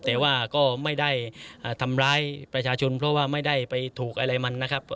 แต่ว่าก็ไม่ได้ทำร้ายประชาชนเพราะว่าไม่ได้ไปถูกอะไรมันนะครับ